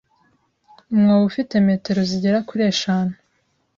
Umwobo ufite metero zigera kuri eshanu.